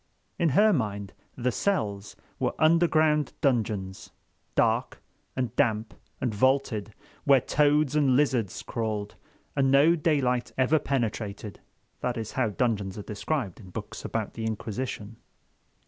In her mind "the cells" were underground dungeons, dark and damp and vaulted, where toads and lizards crawled, and no daylight ever penetrated. That is how dungeons are described in books about the Inquisition.